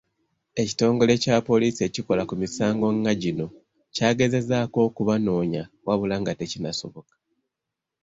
Ekitongole kya Poliisi ekikola ku misango nga gino kyagezezzaako okubanoonya wabula nga tekinnasoboka.